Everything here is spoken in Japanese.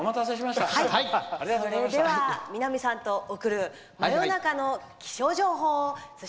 それでは南さんと送る「真夜中の気象情報」。